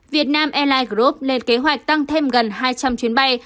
việt nam airlines group lên kế hoạch tăng thêm gần hai trăm linh chuyến bay